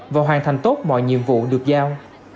và hoàn thành tốt mọi nhiệm vụ được giao